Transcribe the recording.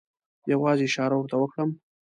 یوازې اشاره ورته وکړم.